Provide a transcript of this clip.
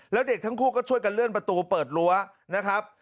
แล้วเด็กทั้งคู่ก็ช่วยกันเลื่อนประตูเปิดรั้วนะครับ